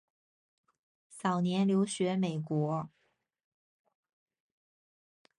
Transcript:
早年留学美国。